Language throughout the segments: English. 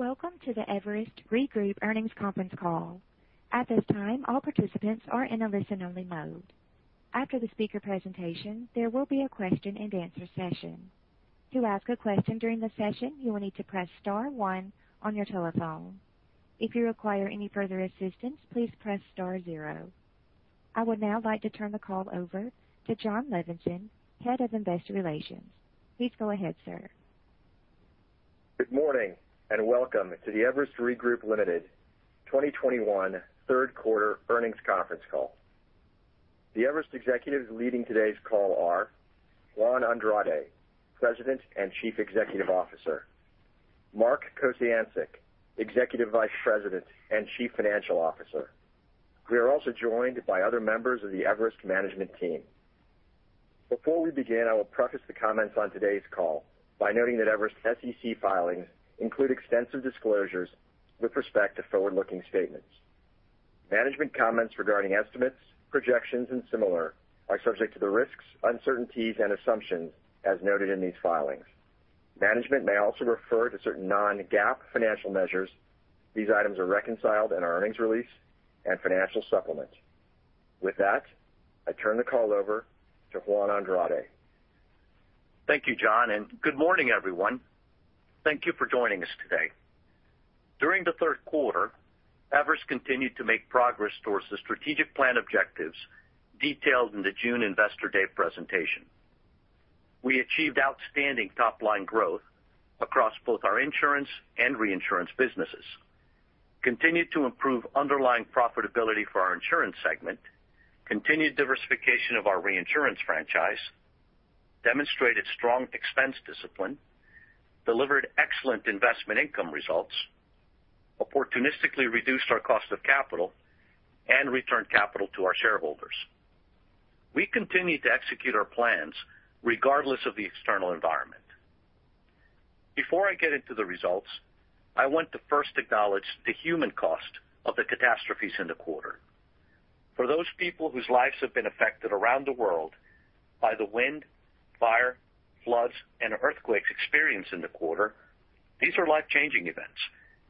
Welcome to the Everest Re Group earnings conference call. At this time, all participants are in a listen-only mode. After the speaker presentation, there will be a question-and-answer session. To ask a question during the session, you will need to press star one on your telephone. If you require any further assistance, please press star zero. I would now like to turn the call over to Jon Levenson, Head of Investor Relations. Please go ahead, sir. Good morning, and welcome to the Everest Re Group, Ltd. 2021 third quarter earnings conference call. The Everest executives leading today's call are Juan Andrade, President and Chief Executive Officer, Mark Kociancic, Executive Vice President and Chief Financial Officer. We are also joined by other members of the Everest management team. Before we begin, I will preface the comments on today's call by noting that Everest SEC filings include extensive disclosures with respect to forward-looking statements. Management comments regarding estimates, projections, and similar are subject to the risks, uncertainties and assumptions as noted in these filings. Management may also refer to certain non-GAAP financial measures. These items are reconciled in our earnings release and financial supplement. With that, I turn the call over to Juan Andrade. Thank you, Jon, and good morning, everyone. Thank you for joining us today. During the third quarter, Everest continued to make progress towards the strategic plan objectives detailed in the June Investor Day presentation. We achieved outstanding top-line growth across both our insurance and reinsurance businesses, continued to improve underlying profitability for our insurance segment, continued diversification of our reinsurance franchise, demonstrated strong expense discipline, delivered excellent investment income results, opportunistically reduced our cost of capital, and returned capital to our shareholders. We continue to execute our plans regardless of the external environment. Before I get into the results, I want to first acknowledge the human cost of the catastrophes in the quarter. For those people whose lives have been affected around the world by the wind, fire, floods, and earthquakes experienced in the quarter, these are life-changing events,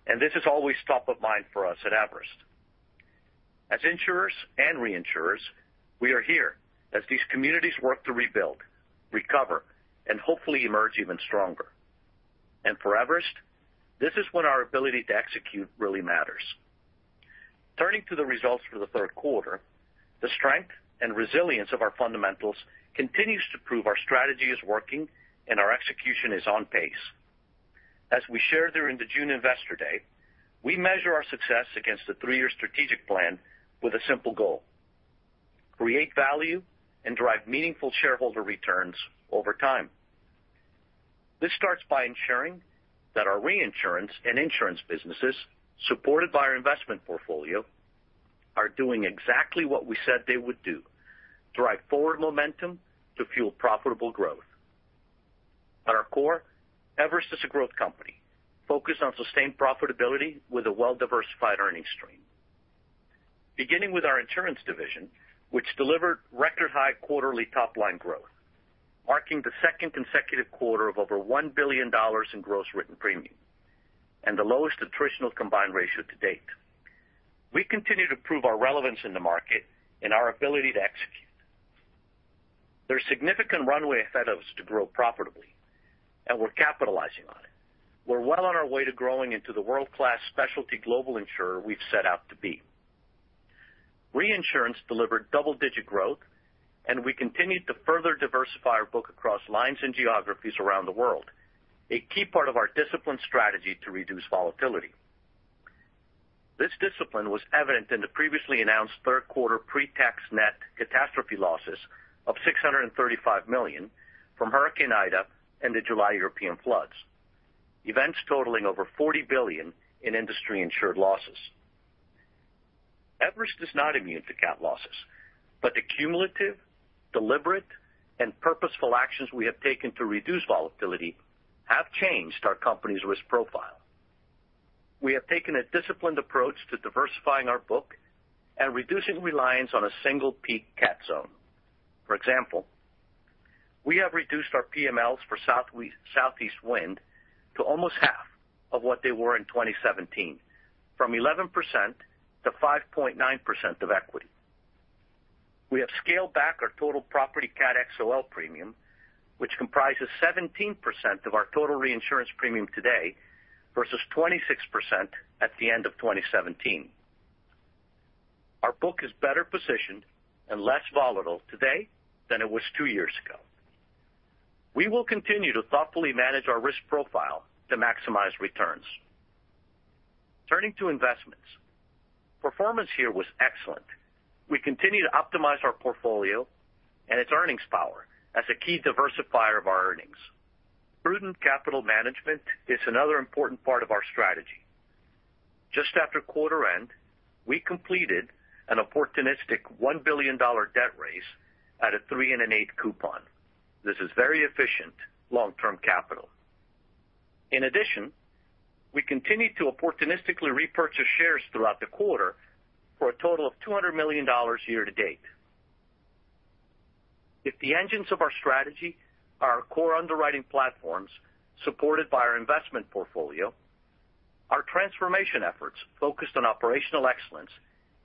and this is always top of mind for us at Everest. As insurers and reinsurers, we are here as these communities work to rebuild, recover, and hopefully emerge even stronger. For Everest, this is when our ability to execute really matters. Turning to the results for the third quarter, the strength and resilience of our fundamentals continues to prove our strategy is working and our execution is on pace. As we shared during the June Investor Day, we measure our success against the three-year strategic plan with a simple goal, create value and drive meaningful shareholder returns over time. This starts by ensuring that our reinsurance and insurance businesses, supported by our investment portfolio, are doing exactly what we said they would do, drive forward momentum to fuel profitable growth. At our core, Everest is a growth company focused on sustained profitability with a well-diversified earnings stream. Beginning with our insurance division, which delivered record-high quarterly top-line growth, marking the second consecutive quarter of over $1 billion in gross written premium and the lowest attritional combined ratio to date. We continue to prove our relevance in the market and our ability to execute. There's significant runway ahead of us to grow profitably, and we're capitalizing on it. We're well on our way to growing into the world-class specialty global insurer we've set out to be. Reinsurance delivered double-digit growth, and we continued to further diversify our book across lines and geographies around the world, a key part of our disciplined strategy to reduce volatility. This discipline was evident in the previously announced third quarter pre-tax net catastrophe losses of $635 million from Hurricane Ida and the July European floods, events totaling over $40 billion in industry-insured losses. Everest is not immune to cat losses, but the cumulative, deliberate, and purposeful actions we have taken to reduce volatility have changed our company's risk profile. We have taken a disciplined approach to diversifying our book and reducing reliance on a single peak cat zone. For example, we have reduced our PMLs for Southeast Wind to almost half of what they were in 2017, from 11% to 5.9% of equity. We have scaled back our total property cat XOL premium, which comprises 17% of our total reinsurance premium today versus 26% at the end of 2017. Our book is better positioned and less volatile today than it was two years ago. We will continue to thoughtfully manage our risk profile to maximize returns. Turning to investments. Performance here was excellent. We continue to optimize our portfolio and its earnings power as a key diversifier of our earnings. Prudent capital management is another important part of our strategy. Just after quarter end, we completed an opportunistic $1 billion debt raise at a 3.8% coupon. This is very efficient long-term capital. In addition, we continued to opportunistically repurchase shares throughout the quarter for a total of $200 million year-to-date. If the engines of our strategy are our core underwriting platforms supported by our investment portfolio, our transformation efforts focused on operational excellence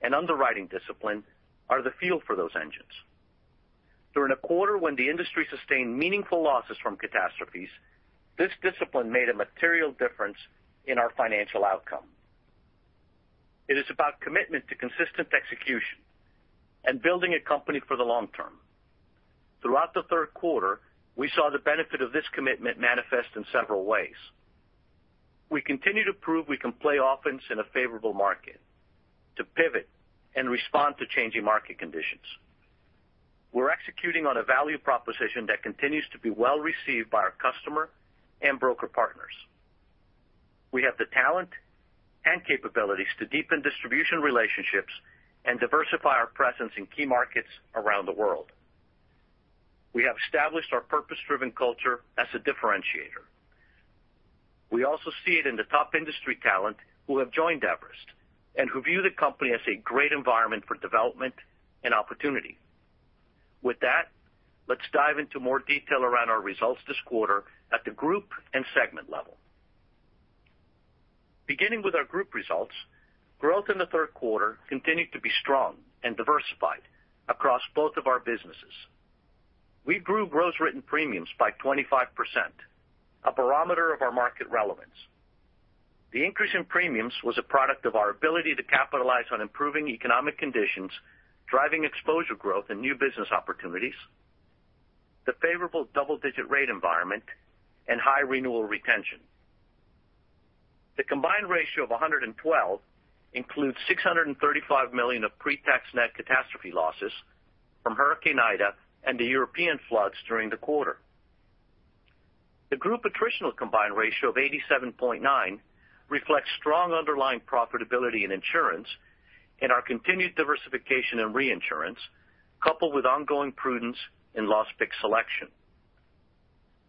and underwriting discipline are the fuel for those engines. During a quarter when the industry sustained meaningful losses from catastrophes, this discipline made a material difference in our financial outcome. It is about commitment to consistent execution and building a company for the long-term. Throughout the third quarter, we saw the benefit of this commitment manifest in several ways. We continue to prove we can play offense in a favorable market to pivot and respond to changing market conditions. We're executing on a value proposition that continues to be well-received by our customer and broker partners. We have the talent and capabilities to deepen distribution relationships and diversify our presence in key markets around the world. We have established our purpose-driven culture as a differentiator. We also see it in the top industry talent who have joined Everest and who view the company as a great environment for development and opportunity. With that, let's dive into more detail around our results this quarter at the group and segment level. Beginning with our group results, growth in the third quarter continued to be strong and diversified across both of our businesses. We grew gross written premiums by 25%, a barometer of our market relevance. The increase in premiums was a product of our ability to capitalize on improving economic conditions, driving exposure growth and new business opportunities, the favorable double-digit rate environment, and high renewal retention. The combined ratio of 112 includes $635 million of pre-tax net catastrophe losses from Hurricane Ida and the European floods during the quarter. The group attritional combined ratio of 87.9 reflects strong underlying profitability in insurance and our continued diversification and reinsurance, coupled with ongoing prudence in loss pick selection.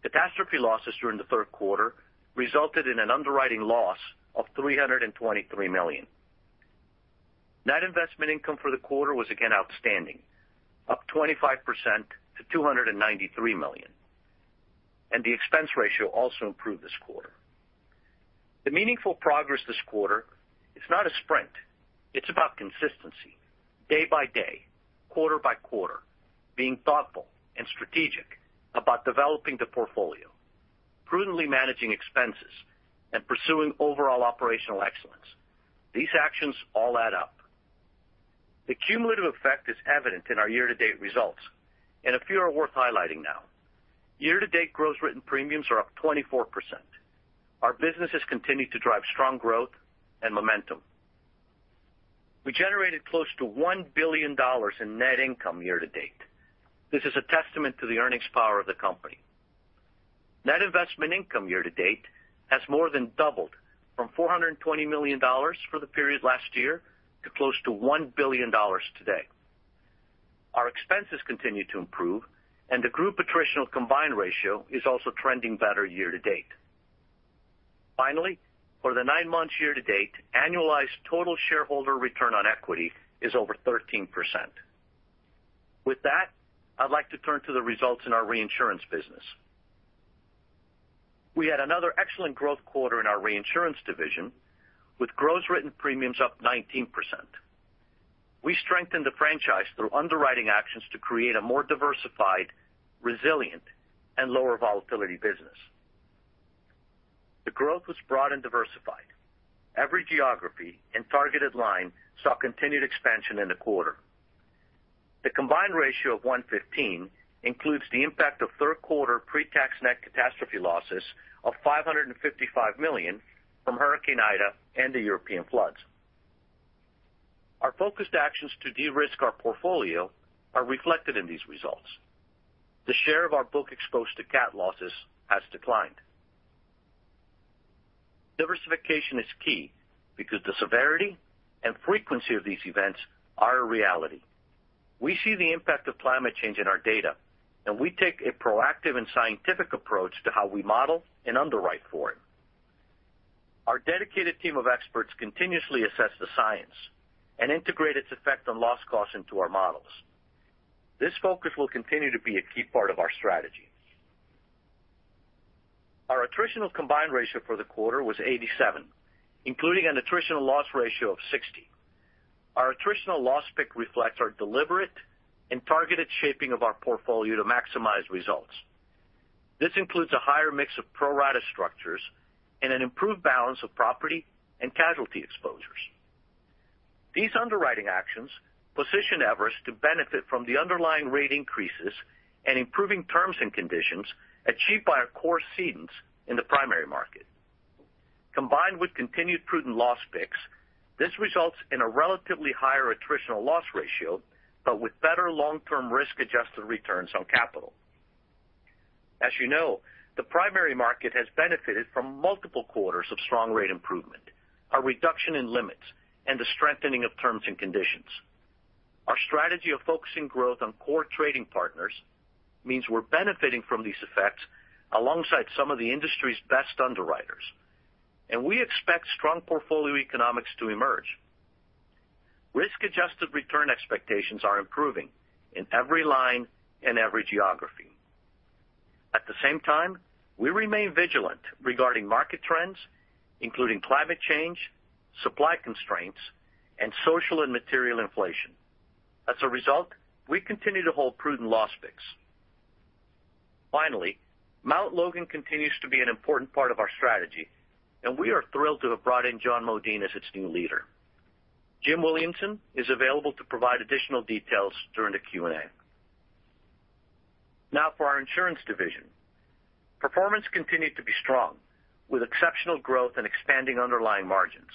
Catastrophe losses during the third quarter resulted in an underwriting loss of $323 million. Net investment income for the quarter was again outstanding, up 25% to $293 million, and the expense ratio also improved this quarter. The meaningful progress this quarter is not a sprint. It's about consistency day-by-day, quarter-by-quarter, being thoughtful and strategic about developing the portfolio, prudently managing expenses, and pursuing overall operational excellence. These actions all add up. The cumulative effect is evident in our year-to-date results, and a few are worth highlighting now. Year-to-date gross written premiums are up 24%. Our businesses continue to drive strong growth and momentum. We generated close to $1 billion in net income year-to-date. This is a testament to the earnings power of the company. Net investment income year-to-date has more than doubled from $420 million for the period last year to close to $1 billion today. Our expenses continue to improve, and the group attritional combined ratio is also trending better year-to-date. Finally, for the nine months year-to-date, annualized total shareholder return on equity is over 13%. With that, I'd like to turn to the results in our reinsurance business. We had another excellent growth quarter in our reinsurance division, with gross written premiums up 19%. We strengthened the franchise through underwriting actions to create a more diversified, resilient, and lower volatility business. The growth was broad and diversified. Every geography and targeted line saw continued expansion in the quarter. The combined ratio of 115 includes the impact of third quarter pre-tax net catastrophe losses of $555 million from Hurricane Ida and the European floods. Our focused actions to de-risk our portfolio are reflected in these results. The share of our book exposed to cat losses has declined. Diversification is key because the severity and frequency of these events are a reality. We see the impact of climate change in our data, and we take a proactive and scientific approach to how we model and underwrite for it. Our dedicated team of experts continuously assess the science and integrate its effect on loss costs into our models. This focus will continue to be a key part of our strategy. Our attritional combined ratio for the quarter was 87%, including an attritional loss ratio of 60%. Our attritional loss ratio reflects our deliberate and targeted shaping of our portfolio to maximize results. This includes a higher mix of pro rata structures and an improved balance of property and casualty exposures. These underwriting actions position Everest to benefit from the underlying rate increases and improving terms and conditions achieved by our core cedents in the primary market. Combined with continued prudent loss picks, this results in a relatively higher attritional loss ratio, but with better long-term risk-adjusted returns on capital. As you know, the primary market has benefited from multiple quarters of strong rate improvement, a reduction in limits, and the strengthening of terms and conditions. Our strategy of focusing growth on core trading partners means we're benefiting from these effects alongside some of the industry's best underwriters, and we expect strong portfolio economics to emerge. Risk-adjusted return expectations are improving in every line and every geography. At the same time, we remain vigilant regarding market trends, including climate change, supply constraints, and social and material inflation. As a result, we continue to hold prudent loss picks. Finally, Mt. Logan Re continues to be an important part of our strategy, and we are thrilled to have brought in John Modin as its new leader. Jim Williamson is available to provide additional details during the Q&A. Now for our insurance division. Performance continued to be strong, with exceptional growth and expanding underlying margins.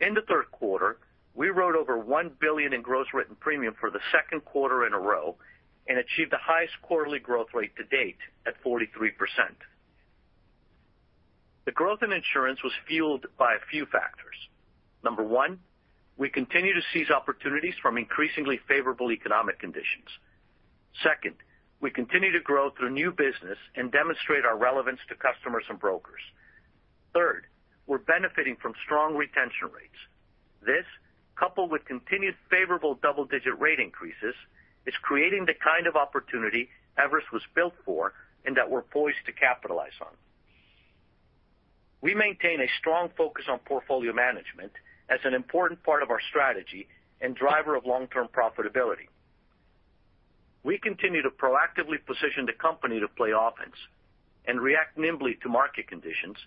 In the third quarter, we wrote over $1 billion in gross written premium for the second quarter in a row and achieved the highest quarterly growth rate to date at 43%. The growth in insurance was fueled by a few factors. Number 1, we continue to seize opportunities from increasingly favorable economic conditions. Second, we continue to grow through new business and demonstrate our relevance to customers and brokers. Third, we're benefiting from strong retention rates. This, coupled with continued favorable double-digit rate increases, is creating the kind of opportunity Everest was built for and that we're poised to capitalize on. We maintain a strong focus on portfolio management as an important part of our strategy and driver of long-term profitability. We continue to proactively position the company to play offense and react nimbly to market conditions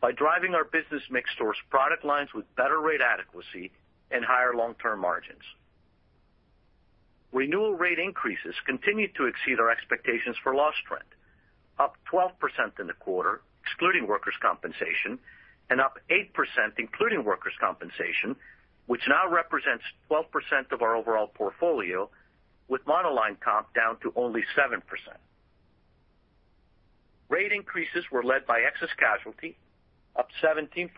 by driving our business mix towards product lines with better rate adequacy and higher long-term margins. Renewal rate increases continue to exceed our expectations for loss trend, up 12% in the quarter, excluding workers' compensation, and up 8%, including workers' compensation, which now represents 12% of our overall portfolio with monoline comp down to only 7%. Rate increases were led by excess casualty, up 17%,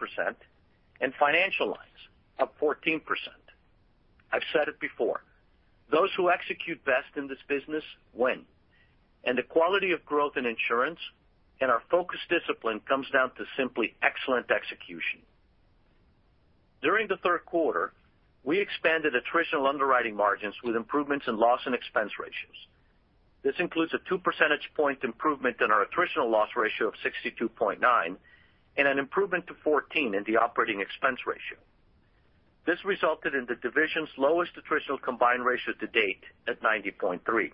and financial lines, up 14%. I've said it before, those who execute best in this business win, and the quality of growth in insurance and our focused discipline comes down to simply excellent execution. During the third quarter, we expanded attritional underwriting margins with improvements in loss and expense ratios. This includes a 2 percentage point improvement in our attritional loss ratio of 62.9% and an improvement to 14% in the operating expense ratio. This resulted in the division's lowest attritional combined ratio to date at 90.3%,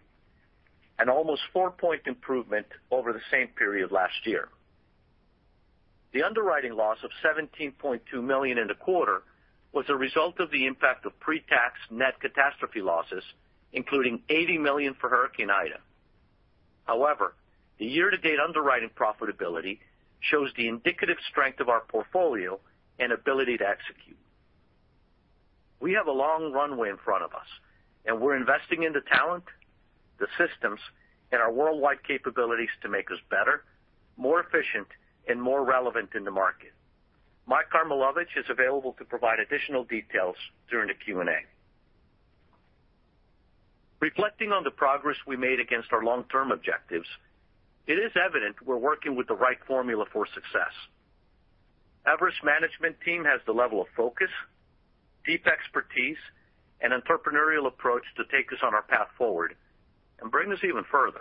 an almost four-point improvement over the same period last year. The underwriting loss of $17.2 million in the quarter was a result of the impact of pre-tax net catastrophe losses, including $80 million for Hurricane Ida. However, the year-to-date underwriting profitability shows the indicative strength of our portfolio and ability to execute. We have a long runway in front of us, and we're investing in the talent, the systems, and our worldwide capabilities to make us better, more efficient, and more relevant in the market. Mike Karmilowicz is available to provide additional details during the Q&A. Reflecting on the progress we made against our long-term objectives, it is evident we're working with the right formula for success. Everest management team has the level of focus, deep expertise, and entrepreneurial approach to take us on our path forward and bring us even further.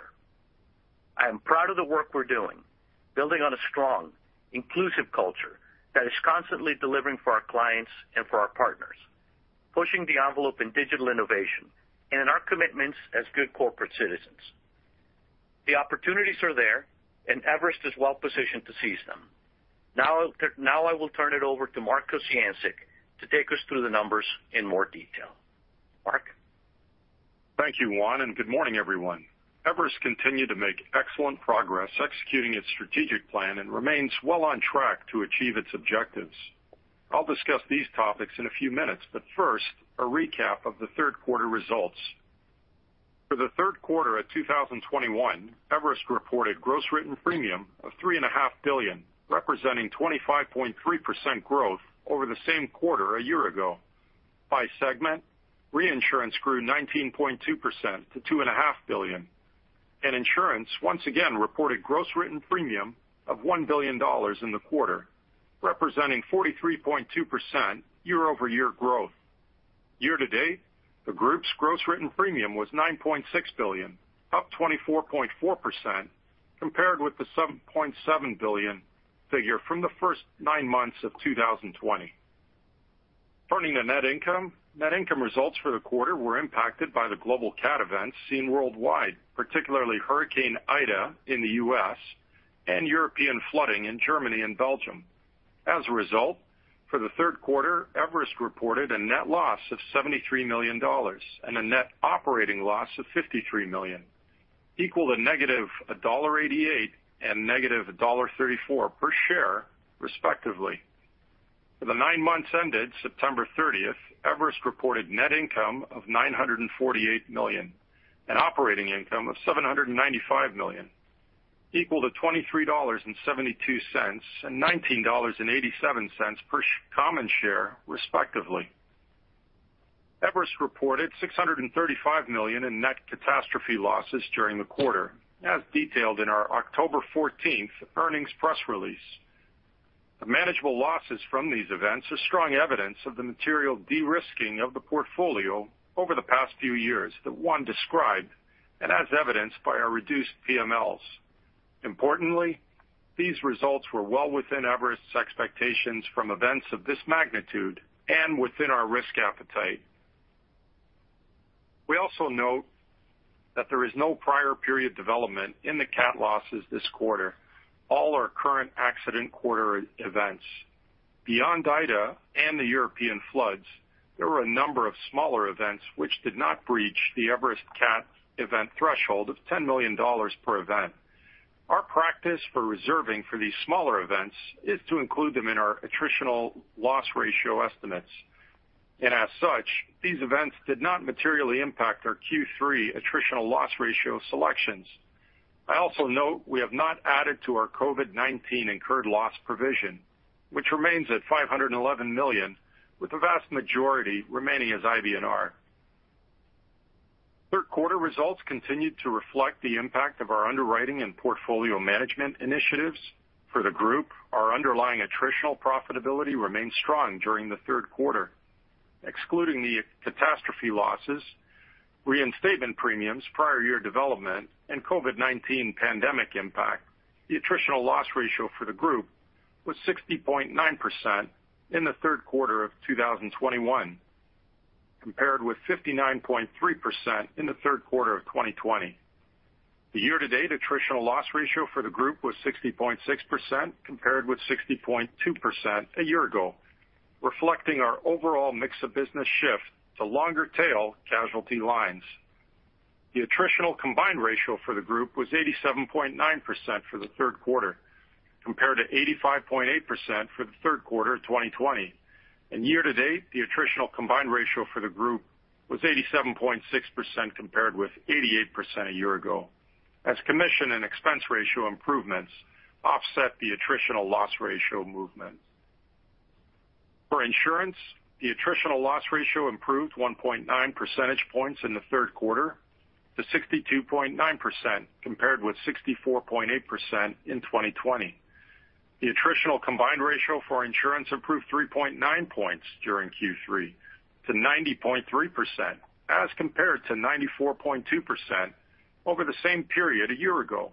I am proud of the work we're doing, building on a strong, inclusive culture that is constantly delivering for our clients and for our partners, pushing the envelope in digital innovation and in our commitments as good corporate citizens. The opportunities are there, and Everest is well-positioned to seize them. Now, I will turn it over to Mark Kociancic to take us through the numbers in more detail. Mark? Thank you, Juan, and good morning, everyone. Everest continued to make excellent progress executing its strategic plan and remains well on track to achieve its objectives. I'll discuss these topics in a few minutes, but first, a recap of the third quarter results. For the third quarter at 2021, Everest reported gross written premium of $3.5 billion, representing 25.3% growth over the same quarter a year ago. By segment, reinsurance grew 19.2% to $2.5 billion, and insurance once again reported gross written premium of $1 billion in the quarter, representing 43.2% year-over-year growth. Year-to-date, the group's gross written premium was $9.6 billion, up 24.4% compared with the $7.7 billion figure from the first nine months of 2020. Turning to net income. Net income results for the quarter were impacted by the global cat events seen worldwide, particularly Hurricane Ida in the U.S. and European flooding in Germany and Belgium. As a result, for the third quarter, Everest reported a net loss of $73 million and a net operating loss of $53 million, equal to -$0.88 and -$0.34 per share, respectively. For the nine months ended September 30, Everest reported net income of $948 million and operating income of $795 million, equal to $23.72 and $19.87 per common share, respectively. Everest reported $635 million in net catastrophe losses during the quarter, as detailed in our October 14 earnings press release. The manageable losses from these events are strong evidence of the material de-risking of the portfolio over the past few years that one described and as evidenced by our reduced PMLs. Importantly, these results were well within Everest's expectations from events of this magnitude and within our risk appetite. We also note that there is no prior period development in the cat losses this quarter. All are current accident quarter events. Beyond Ida and the European floods, there were a number of smaller events which did not breach the Everest cat event threshold of $10 million per event. Our practice for reserving for these smaller events is to include them in our attritional loss ratio estimates. As such, these events did not materially impact our Q3 attritional loss ratio selections. I also note we have not added to our COVID-19 incurred loss provision, which remains at $511 million, with the vast majority remaining as IBNR. Third quarter results continued to reflect the impact of our underwriting and portfolio management initiatives. For the group, our underlying attritional profitability remained strong during the third quarter. Excluding the catastrophe losses, reinstatement premiums, prior year development, and COVID-19 pandemic impact, the attritional loss ratio for the group was 60.9% in the third quarter of 2021, compared with 59.3% in the third quarter of 2020. The year-to-date attritional loss ratio for the group was 60.6% compared with 60.2% a year ago, reflecting our overall mix of business shift to longer tail casualty lines. The attritional combined ratio for the group was 87.9% for the third quarter, compared to 85.8% for the third quarter of 2020. Year-to-date, the attritional combined ratio for the group was 87.6% compared with 88% a year ago, as commission and expense ratio improvements offset the attritional loss ratio movement. For insurance, the attritional loss ratio improved 1.9 percentage points in the third quarter to 62.9% compared with 64.8% in 2020. The attritional combined ratio for insurance improved 3.9 points during Q3 to 90.3% as compared to 94.2% over the same period a year ago,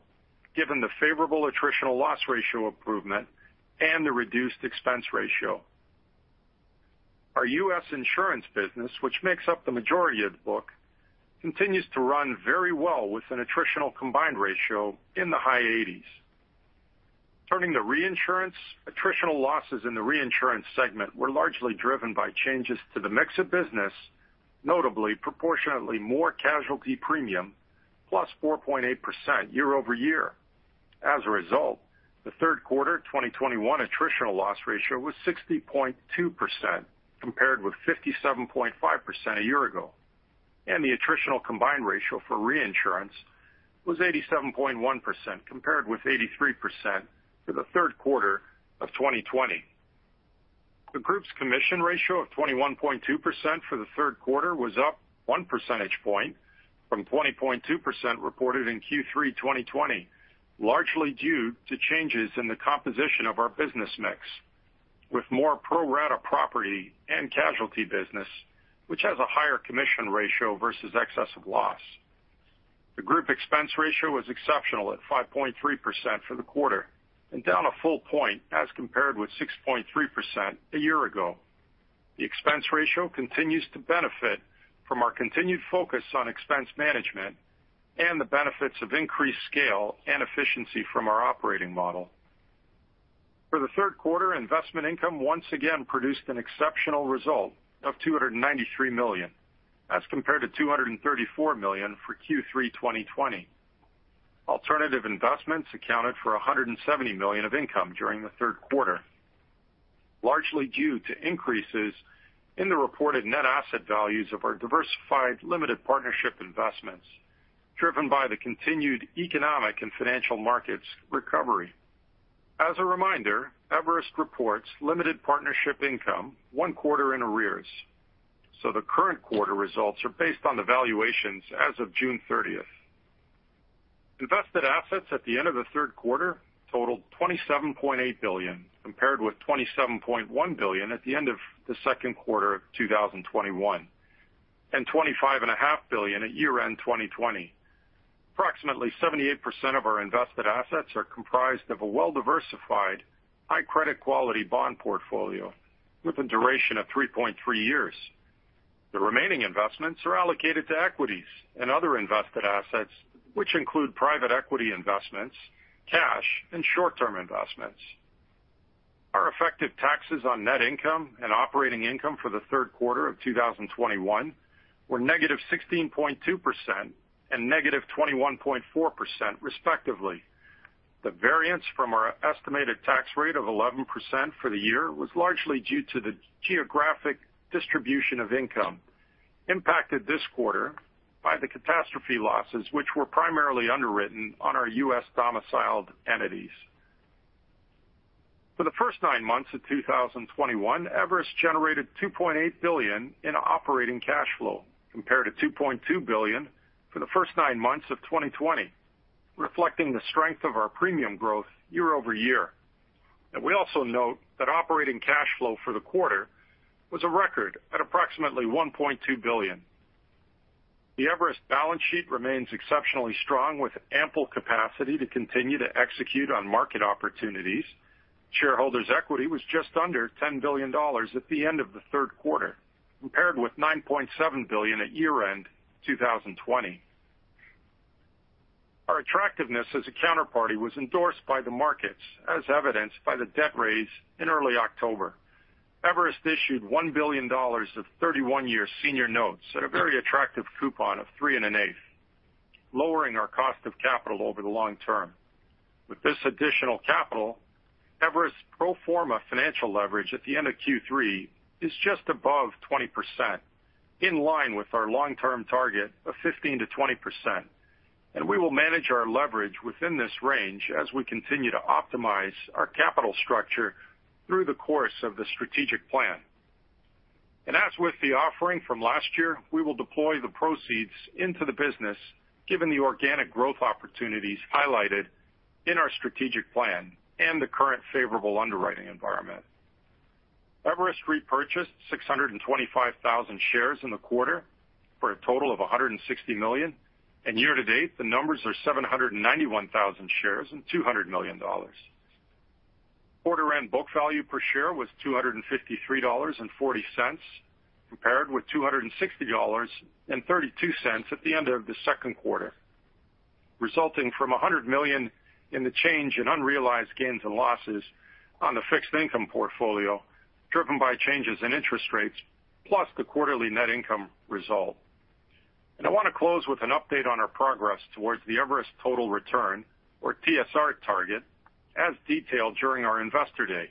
given the favorable attritional loss ratio improvement and the reduced expense ratio. Our U.S. insurance business, which makes up the majority of the book, continues to run very well with an attritional combined ratio in the high 80s. Turning to reinsurance, attritional losses in the reinsurance segment were largely driven by changes to the mix of business, notably proportionately more casualty premium, +4.8% year-over-year. As a result, the third quarter 2021 attritional loss ratio was 60.2% compared with 57.5% a year ago. The attritional combined ratio for reinsurance was 87.1% compared with 83% for the third quarter of 2020. The group's commission ratio of 21.2% for the third quarter was up 1 percentage point from 20.2% reported in Q3 2020, largely due to changes in the composition of our business mix with more pro rata property and casualty business, which has a higher commission ratio versus excess of loss. The group expense ratio was exceptional at 5.3% for the quarter and down a full point as compared with 6.3% a year ago. The expense ratio continues to benefit from our continued focus on expense management and the benefits of increased scale and efficiency from our operating model. For the third quarter, investment income once again produced an exceptional result of $293 million, as compared to $234 million for Q3 2020. Alternative investments accounted for $170 million of income during the third quarter, largely due to increases in the reported net asset values of our diversified limited partnership investments driven by the continued economic and financial markets recovery. As a reminder, Everest reports limited partnership income one quarter in arrears, so the current quarter results are based on the valuations as of June 30. Invested assets at the end of the third quarter totaled $27.8 billion, compared with $27.1 billion at the end of the second quarter of 2021, and $25.5 billion at year-end 2020. Approximately 78% of our invested assets are comprised of a well-diversified, high credit quality bond portfolio with a duration of 3.3 years. The remaining investments are allocated to equities and other invested assets, which include private equity investments, cash, and short-term investments. Our effective taxes on net income and operating income for the third quarter of 2021 were -16.2% and -21.4% respectively. The variance from our estimated tax rate of 11% for the year was largely due to the geographic distribution of income impacted this quarter by the catastrophe losses, which were primarily underwritten on our U.S. domiciled entities. For the first nine months of 2021, Everest generated $2.8 billion in operating cash flow compared to $2.2 billion for the first nine months of 2020, reflecting the strength of our premium growth year-over-year. We also note that operating cash flow for the quarter was a record at approximately $1.2 billion. The Everest balance sheet remains exceptionally strong with ample capacity to continue to execute on market opportunities. Shareholders equity was just under $10 billion at the end of the third quarter, compared with $9.7 billion at year-end 2020. Our attractiveness as a counterparty was endorsed by the markets, as evidenced by the debt raise in early October. Everest issued $1 billion of 31-year senior notes at a very attractive coupon of 3 1/8, lowering our cost of capital over the long-term. With this additional capital, Everest pro forma financial leverage at the end of Q3 is just above 20%, in line with our long-term target of 15%-20%, and we will manage our leverage within this range as we continue to optimize our capital structure through the course of the strategic plan. As with the offering from last year, we will deploy the proceeds into the business given the organic growth opportunities highlighted in our strategic plan and the current favorable underwriting environment. Everest repurchased 625,000 shares in the quarter for a total of $160 million. Year-to-date, the numbers are 791,000 shares and $200 million. Quarter end book value per share was $253.40, compared with $260.32 at the end of the second quarter, resulting from $100 million in the change in unrealized gains and losses on the fixed income portfolio, driven by changes in interest rates, plus the quarterly net income result. I want to close with an update on our progress towards the Everest Total Shareholder Return or TSR target as detailed during our Investor Day.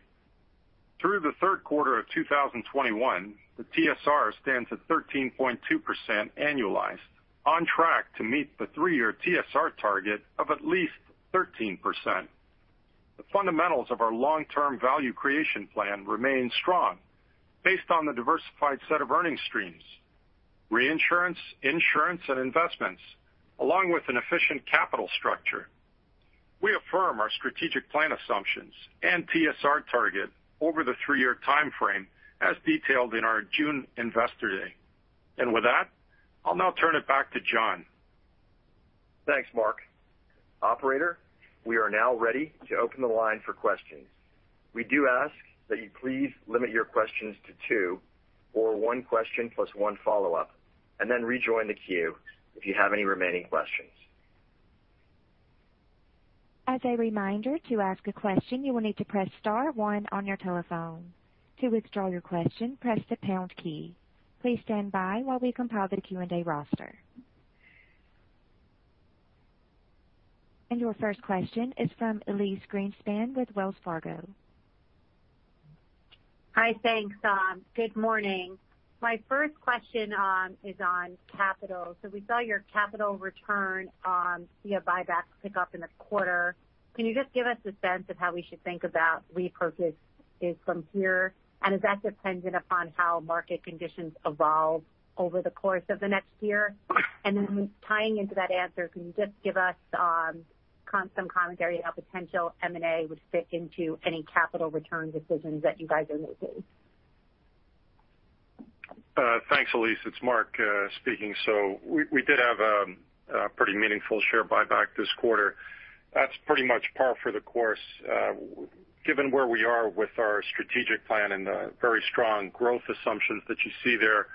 Through the third quarter of 2021, the TSR stands at 13.2% annualized on track to meet the three-year TSR target of at least 13%. The fundamentals of our long-term value creation plan remain strong based on the diversified set of earnings streams, reinsurance, insurance, and investments, along with an efficient capital structure. We affirm our strategic plan assumptions and TSR target over the three-year timeframe as detailed in our June Investor Day. With that, I'll now turn it back to Juan. Thanks, Mark. Operator, we are now ready to open the line for questions. We do ask that you please limit your questions to two or one question plus one follow-up, and then rejoin the queue if you have any remaining questions. As a reminder to ask a question, you will need to press star one on your telephone. To withdraw your question, press the pound key. Please stand by while we compile the Q and A roster. Your first question is from Elyse Greenspan with Wells Fargo. Hi. Thanks. Good morning. My first question is on capital. We saw your capital return via buybacks pick up in the quarter. Can you just give us a sense of how we should think about repurchases from here? Is that dependent upon how market conditions evolve over the course of the next year? Then tying into that answer, can you just give us some commentary on how potential M&A would fit into any capital return decisions that you guys are making? Thanks, Elyse. It's Mark speaking. We did have a pretty meaningful share buyback this quarter. That's pretty much par for the course. Given where we are with our strategic plan and the very strong growth assumptions that you see there,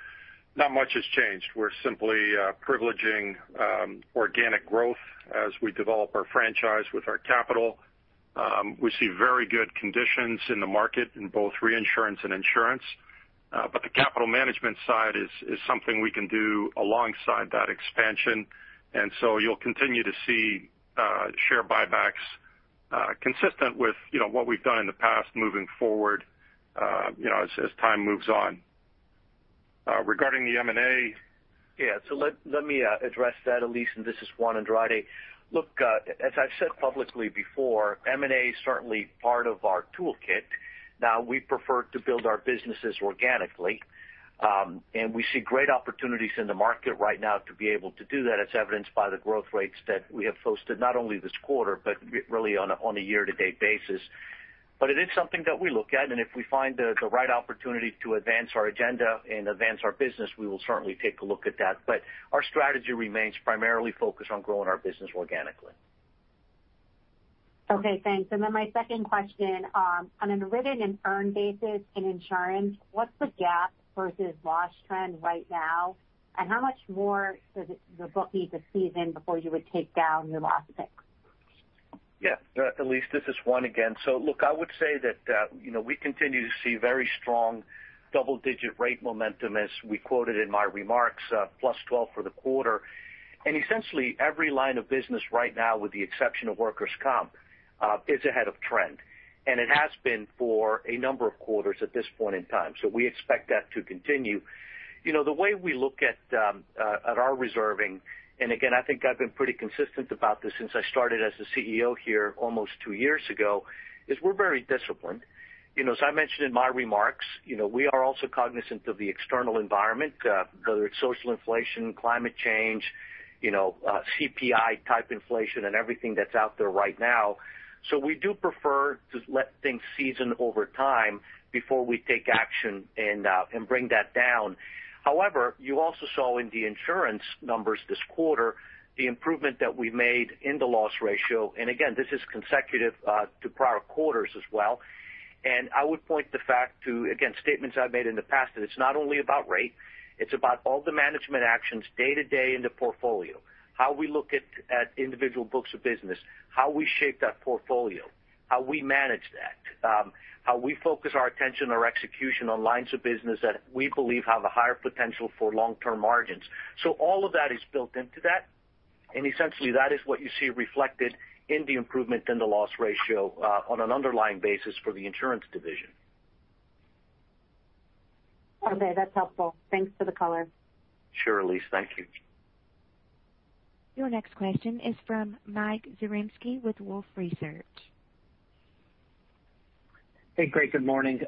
not much has changed. We're simply privileging organic growth as we develop our franchise with our capital. We see very good conditions in the market in both reinsurance and insurance. The capital management side is something we can do alongside that expansion. You'll continue to see share buybacks consistent with, you know, what we've done in the past moving forward, you know, as time moves on. Regarding the M&A- Yeah. Let me address that, Elyse. This is Juan Andrade. Look, as I've said publicly before, M&A is certainly part of our toolkit. Now, we prefer to build our businesses organically, and we see great opportunities in the market right now to be able to do that, as evidenced by the growth rates that we have posted, not only this quarter, but really on a year-to-date basis. It is something that we look at, and if we find the right opportunity to advance our agenda and advance our business, we will certainly take a look at that. Our strategy remains primarily focused on growing our business organically. Okay, thanks. My second question, on a written and earned basis in insurance, what's the gap versus loss trend right now? How much more does the book need to season before you would take down your loss pick? Yeah. Elyse, this is Juan again. Look, I would say that, you know, we continue to see very strong double-digit rate momentum as we quoted in my remarks, +12% for the quarter. Essentially, every line of business right now, with the exception of workers' comp, is ahead of trend, and it has been for a number of quarters at this point in time. We expect that to continue. You know, the way we look at our reserving, and again, I think I've been pretty consistent about this since I started as the CEO here almost two years ago, is we're very disciplined. You know, as I mentioned in my remarks, you know, we are also cognizant of the external environment, whether it's social inflation, climate change, you know, CPI-type inflation and everything that's out there right now. We do prefer to let things season over time before we take action and bring that down. However, you also saw in the insurance numbers this quarter the improvement that we made in the loss ratio, and again, this is consecutive to prior quarters as well. I would point to the fact, again, statements I've made in the past, that it's not only about rate, it's about all the management actions day-to-day in the portfolio, how we look at individual books of business, how we shape that portfolio, how we manage that, how we focus our attention or execution on lines of business that we believe have a higher potential for long-term margins. All of that is built into that. Essentially, that is what you see reflected in the improvement in the loss ratio on an underlying basis for the insurance division. Okay, that's helpful. Thanks for the color. Sure, Elyse. Thank you. Your next question is from Mike Zaremski with Wolfe Research. Hey, great. Good morning.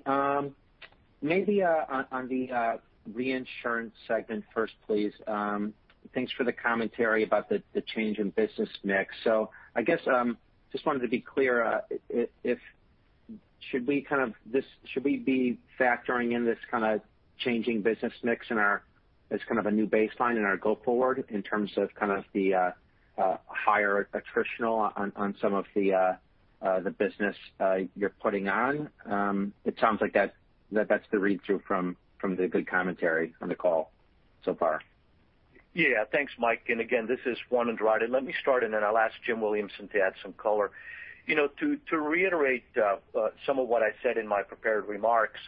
Maybe on the reinsurance segment first, please. Thanks for the commentary about the change in business mix. I guess just wanted to be clear. Should we be factoring in this kind of changing business mix in our as kind of a new baseline in our going forward in terms of kind of the higher attritional on some of the business you're putting on? It sounds like that's the read-through from the good commentary on the call so far. Yeah. Thanks, Mike. Again, this is Juan Andrade. Let me start, and then I'll ask Jim Williamson to add some color. You know, to reiterate some of what I said in my prepared remarks,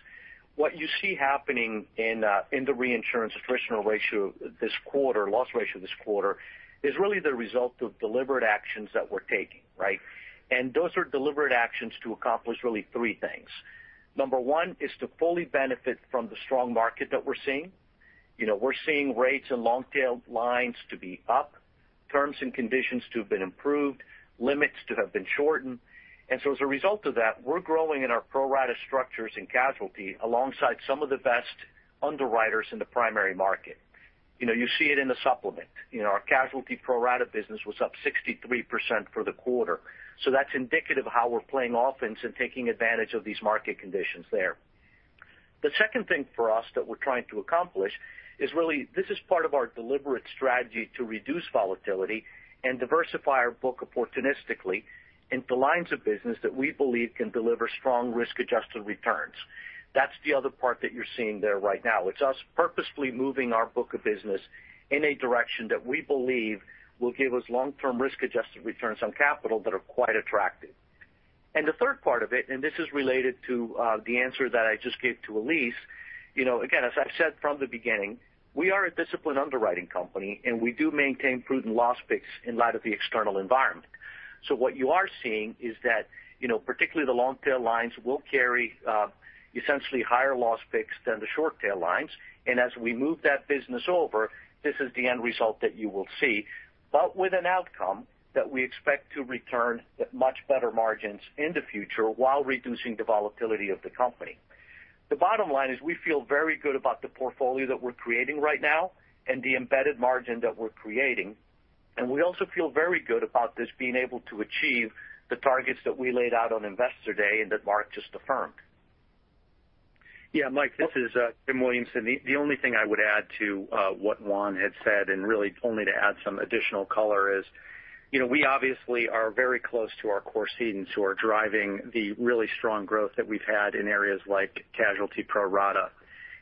what you see happening in the reinsurance attritional ratio this quarter, loss ratio this quarter is really the result of deliberate actions that we're taking, right? Those are deliberate actions to accomplish really three things. Number 1 is to fully benefit from the strong market that we're seeing. You know, we're seeing rates in long-tail lines to be up, terms and conditions to have been improved, limits to have been shortened. As a result of that, we're growing in our pro-rata structures in casualty alongside some of the best underwriters in the primary market. You know, you see it in the supplement. You know, our casualty pro-rata business was up 63% for the quarter. That's indicative of how we're playing offense and taking advantage of these market conditions there. The second thing for us that we're trying to accomplish is really this is part of our deliberate strategy to reduce volatility and diversify our book opportunistically into lines of business that we believe can deliver strong risk-adjusted returns. That's the other part that you're seeing there right now. It's us purposefully moving our book of business in a direction that we believe will give us long-term risk-adjusted returns on capital that are quite attractive. The third part of it, and this is related to the answer that I just gave to Elyse, you know, again, as I've said from the beginning, we are a disciplined underwriting company, and we do maintain prudent loss picks in light of the external environment. What you are seeing is that, you know, particularly the long-tail lines will carry essentially higher loss picks than the short-tail lines. As we move that business over, this is the end result that you will see, but with an outcome that we expect to return at much better margins in the future while reducing the volatility of the company. The bottom line is we feel very good about the portfolio that we're creating right now and the embedded margin that we're creating, and we also feel very good about this being able to achieve the targets that we laid out on Investor Day and that Mark just affirmed. Yeah. Mike, this is Jim Williamson. The only thing I would add to what Juan had said, and really only to add some additional color, is, you know, we obviously are very close to our core cedents who are driving the really strong growth that we've had in areas like casualty pro rata.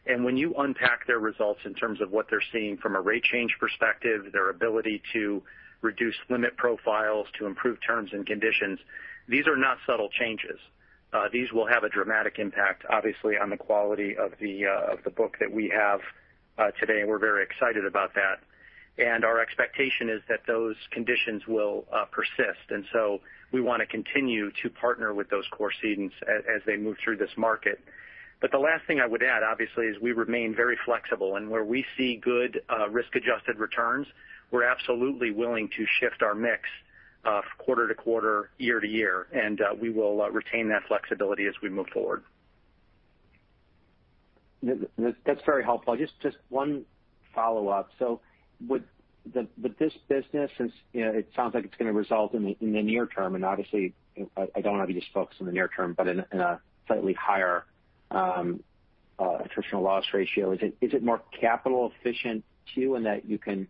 When you unpack their results in terms of what they're seeing from a rate change perspective, their ability to reduce limit profiles, to improve terms and conditions, these are not subtle changes. These will have a dramatic impact, obviously, on the quality of the book that we have today, and we're very excited about that. Our expectation is that those conditions will persist. We want to continue to partner with those core cedents as they move through this market. The last thing I would add, obviously, is we remain very flexible, and where we see good, risk-adjusted returns, we're absolutely willing to shift our mix, quarter-to-quarter, year-to-year, and, we will, retain that flexibility as we move forward. That's very helpful. Just one follow-up. With this business, since, you know, it sounds like it's gonna result in the near-term, and obviously, I don't want to be just focused on the near-term, but in a slightly higher attritional loss ratio, is it more capital efficient too, in that you can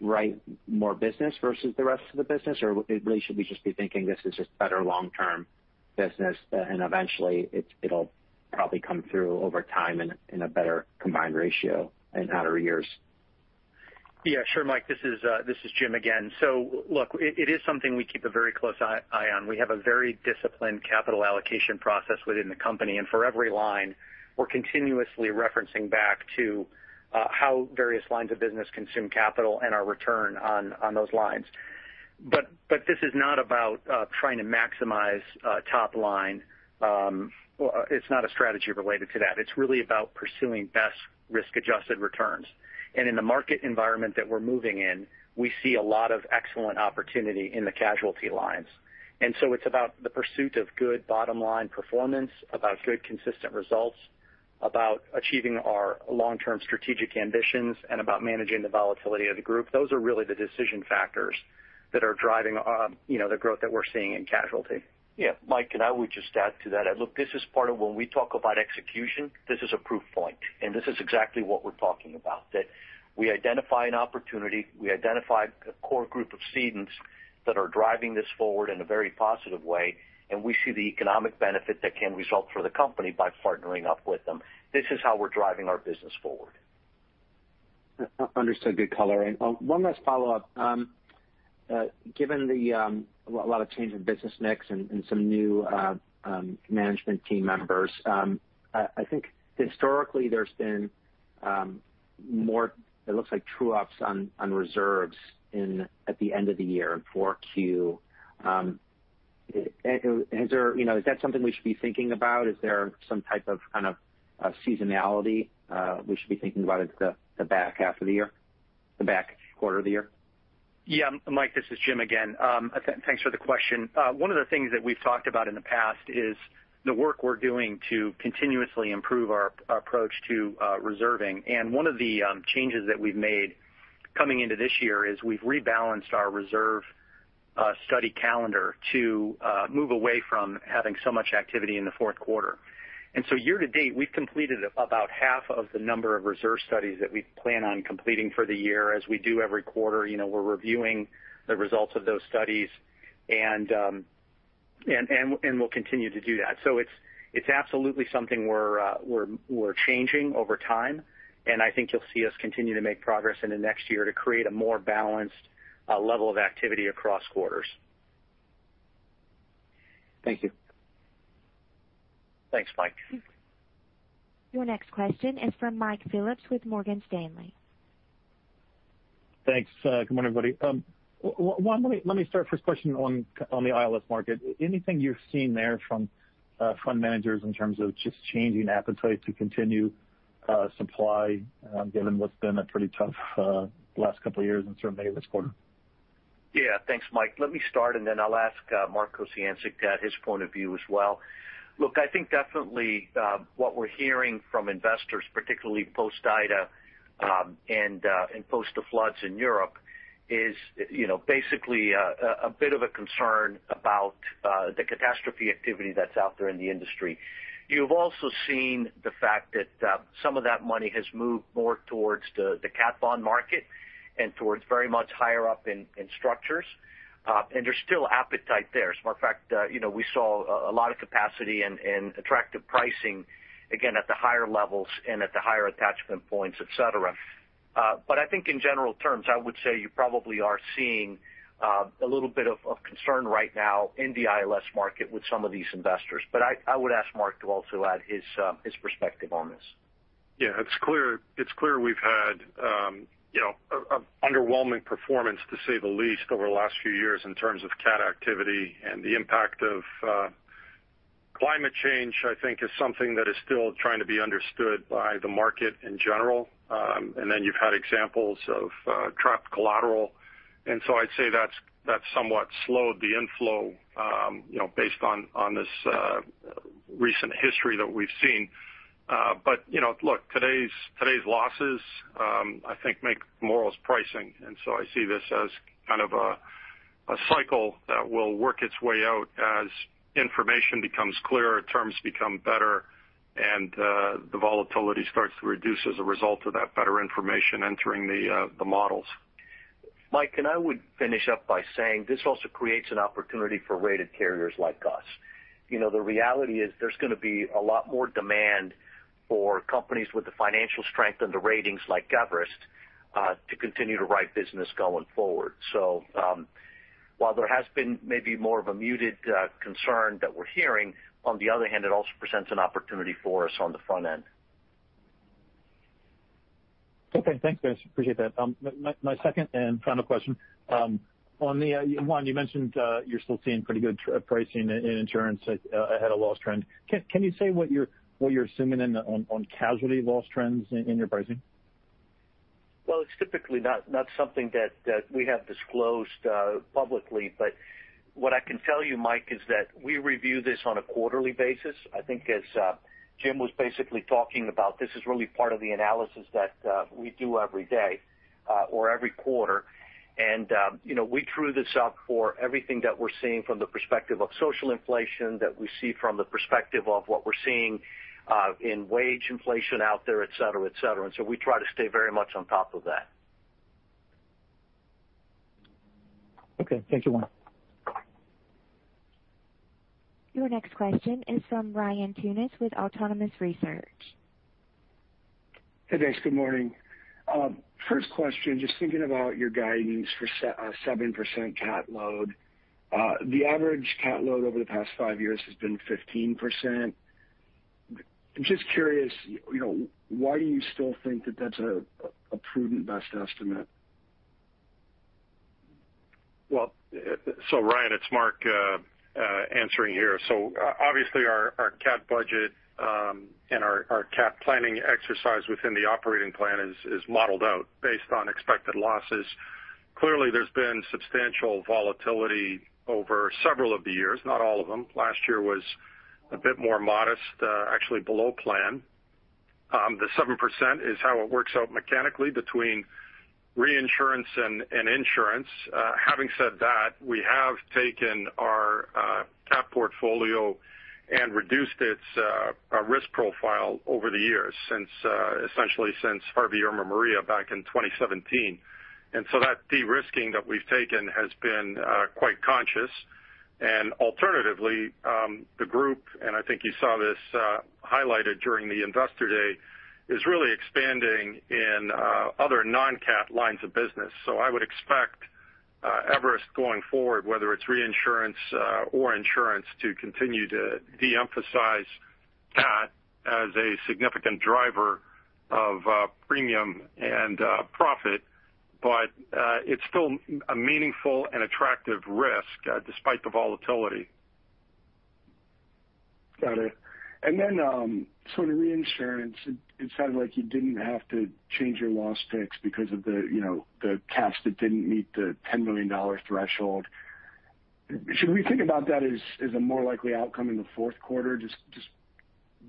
write more business versus the rest of the business? Or really should we just be thinking this is just better long-term business and eventually it'll probably come through over time in a better combined ratio in outer years? Yeah, sure, Mike. This is Jim again. Look, it is something we keep a very close eye on. We have a very disciplined capital allocation process within the company. For every line, we're continuously referencing back to how various lines of business consume capital and our return on those lines. But this is not about trying to maximize top line. Well, it's not a strategy related to that. It's really about pursuing best risk-adjusted returns. In the market environment that we're moving in, we see a lot of excellent opportunity in the casualty lines. It's about the pursuit of good bottom-line performance, about good consistent results, about achieving our long-term strategic ambitions, and about managing the volatility of the group. Those are really the decision factors that are driving, you know, the growth that we're seeing in casualty. Yeah. Mike, I would just add to that. Look, this is part of when we talk about execution, this is a proof point, and this is exactly what we're talking about, that we identify an opportunity, we identify a core group of cedents that are driving this forward in a very positive way, and we see the economic benefit that can result for the company by partnering up with them. This is how we're driving our business forward. Understood. Good color. One last follow-up. Given a lot of change in business mix and some new management team members, I think historically there's been more it looks like true-ups on reserves at the end of the year in Q4. You know, is that something we should be thinking about? Is there some type of kind of seasonality we should be thinking about as the back half of the year, the back quarter of the year? Yeah. Mike, this is Jim again. Thanks for the question. One of the things that we've talked about in the past is the work we're doing to continuously improve our approach to reserving. One of the changes that we've made coming into this year is we've rebalanced our reserve study calendar to move away from having so much activity in the fourth quarter. Year-to-date, we've completed about half of the number of reserve studies that we plan on completing for the year. As we do every quarter, you know, we're reviewing the results of those studies and we'll continue to do that. It's absolutely something we're changing over time, and I think you'll see us continue to make progress in the next year to create a more balanced level of activity across quarters. Thank you. Thanks, Mike. Your next question is from Mike Phillips with Morgan Stanley. Thanks. Good morning, everybody. Let me start first question on the ILS market. Anything you've seen there from fund managers in terms of just changing appetite to continue supply, given what's been a pretty tough last couple of years and certainly this quarter? Yeah. Thanks, Mike. Let me start, and then I'll ask Mark Kociancic to add his point of view as well. Look, I think definitely what we're hearing from investors, particularly post Ida, and post the floods in Europe is, you know, basically a bit of a concern about the catastrophe activity that's out there in the industry. You've also seen the fact that some of that money has moved more towards the cat bond market and towards very much higher up in structures. And there's still appetite there. As a matter of fact, you know, we saw a lot of capacity and attractive pricing, again, at the higher levels and at the higher attachment points, etc. I think in general terms, I would say you probably are seeing a little bit of concern right now in the ILS market with some of these investors. I would ask Mark to also add his perspective on this. Yeah, it's clear we've had, you know, underwhelming performance, to say the least, over the last few years in terms of cat activity. The impact of climate change, I think, is something that is still trying to be understood by the market in general. You've had examples of trapped collateral, and so I'd say that's somewhat slowed the inflow, you know, based on this recent history that we've seen. You know, look, today's losses, I think make more loss pricing. I see this as kind of a cycle that will work its way out as information becomes clearer, terms become better, and the volatility starts to reduce as a result of that better information entering the models. Mike, I would finish up by saying this also creates an opportunity for rated carriers like us. You know, the reality is there's gonna be a lot more demand for companies with the financial strength and the ratings like Everest to continue to write business going forward. While there has been maybe more of a muted concern that we're hearing, on the other hand, it also presents an opportunity for us on the front end. Okay, thanks, guys. Appreciate that. My second and final question. Juan, you mentioned you're still seeing pretty good pricing in insurance ahead of loss trends. Can you say what you're assuming in casualty loss trends in your pricing? Well, it's typically not something that we have disclosed publicly, but what I can tell you, Mike, is that we review this on a quarterly basis. I think as Jim was basically talking about, this is really part of the analysis that we do every day or every quarter. You know, we true this up for everything that we're seeing from the perspective of social inflation, that we see from the perspective of what we're seeing in wage inflation out there, etc, etc. We try to stay very much on top of that. Okay. Thank you, Juan. Your next question is from Ryan Tunis with Autonomous Research. Hey, guys. Good morning. First question, just thinking about your guidance for 7% cat load. The average cat load over the past five years has been 15%. I'm just curious, you know, why do you still think that that's a prudent best estimate? Ryan, it's Mark answering here. Obviously, our cat budget and our cat planning exercise within the operating plan is modeled out based on expected losses. Clearly, there's been substantial volatility over several of the years, not all of them. Last year was a bit more modest, actually below plan. The 7% is how it works out mechanically between reinsurance and insurance. Having said that, we have taken our cat portfolio and reduced its risk profile over the years since essentially since Harvey, Irma, Maria back in 2017. That de-risking that we've taken has been quite conscious. Alternatively, the group, and I think you saw this highlighted during the Investor Day, is really expanding in other non-cat lines of business. I would expect Everest going forward, whether it's reinsurance or insurance, to continue to de-emphasize cat as a significant driver of premium and profit. It's still a meaningful and attractive risk despite the volatility. Got it. In reinsurance, it sounded like you didn't have to change your loss picks because of the, you know, the cats that didn't meet the $10 million threshold. Should we think about that as a more likely outcome in the fourth quarter, just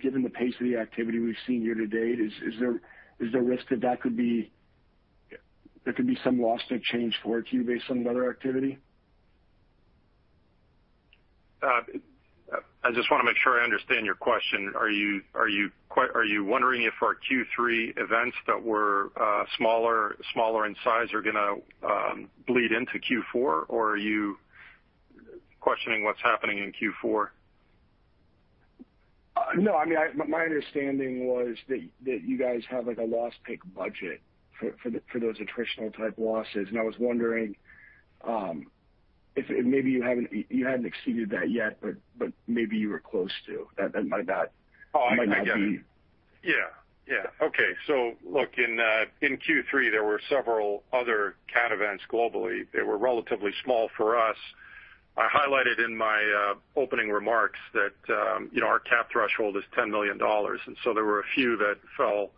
given the pace of the activity we've seen year-to-date, is there risk that there could be some loss to change for Q based on weather activity? I just wanna make sure I understand your question. Are you wondering if our Q3 events that were smaller in size are gonna bleed into Q4? Or are you questioning what's happening in Q4? No, I mean, my understanding was that you guys have, like, a loss pick budget for those attritional-type losses. I was wondering if maybe you hadn't exceeded that yet, but maybe you were close to. That might not- Oh, I get it. That might not be- Yeah. Yeah. Okay. Look, in Q3, there were several other cat events globally. They were relatively small for us. I highlighted in my opening remarks that, you know, our cat threshold is $10 million, and there were a few that fell